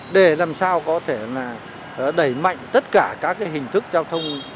để làm sao có thể là đẩy mạnh tất cả các hình thức giao thông